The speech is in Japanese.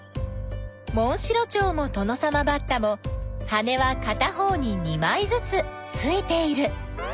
モンシロチョウもトノサマバッタも羽はかた方に２まいずつついている。